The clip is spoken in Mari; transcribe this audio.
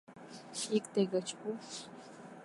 Икте гыч пу.